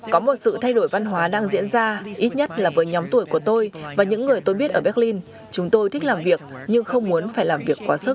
có một sự thay đổi văn hóa đang diễn ra ít nhất là với nhóm tuổi của tôi và những người tôi biết ở berlin chúng tôi thích làm việc nhưng không muốn phải làm việc quá sức